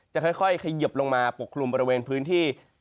จะค่อยเขยิบลงมาปกคลุมบริเวณพื้นที่